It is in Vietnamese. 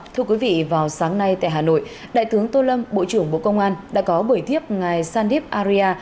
thưa quý vị vào sáng nay tại hà nội đại thướng tô lâm bộ trưởng bộ công an đã có buổi tiếp ngày sandip arya